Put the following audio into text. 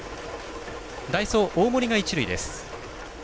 代走、大盛が一塁です。